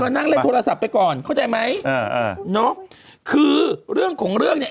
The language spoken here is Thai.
นั่งเล่นโทรศัพท์ไปก่อนเข้าใจไหมอ่าเนอะคือเรื่องของเรื่องเนี่ย